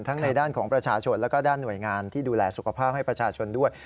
ในด้านของประชาชนแล้วก็ด้านหน่วยงานที่ดูแลสุขภาพให้ประชาชนด้วย